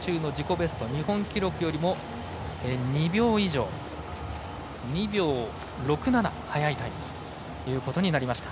ベスト日本記録よりも２秒６７速いタイムとなりました。